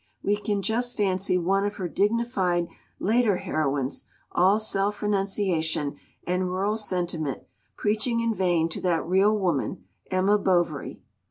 We can just fancy one of her dignified later heroines, all self renunciation and rural sentiment, preaching in vain to that real woman, Emma Bovary.